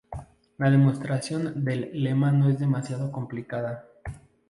La demostración del lema no es demasiado complicada.